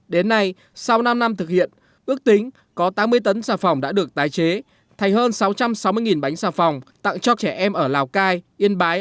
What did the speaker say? đến nay sau năm năm thực hiện ước tính có tám mươi tấn xà phòng đã được tái chế thành hơn sáu trăm sáu mươi bánh xà phòng tặng cho trẻ em ở lào cai yên bái